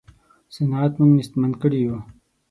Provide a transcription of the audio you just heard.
صنعت موږ نېستمن کړي یو.